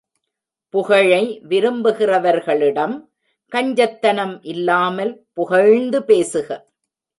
புகழை விரும்புகிறவர்களிடம், கஞ்சத் தனம் இல்லாமல் புகழ்ந்து பேசுக.